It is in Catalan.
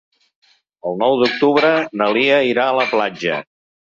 El nou d'octubre na Lia irà a la platja.